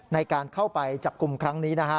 ในการเข้าไปจับกลุ่มครั้งนี้นะฮะ